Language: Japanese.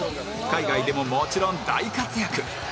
海外でももちろん大活躍